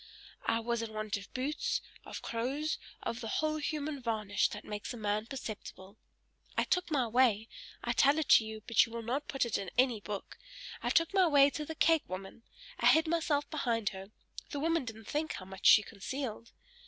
I was in want of boots, of clothes, of the whole human varnish that makes a man perceptible. I took my way I tell it to you, but you will not put it in any book I took my way to the cake woman I hid myself behind her; the woman didn't think how much she concealed.